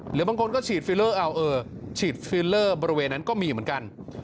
หรือบางคนก็ฉีดฟิลเลอร์เอาฉีดฟิลเลอร์บริเวณนั้นก็มีเหมือนกัน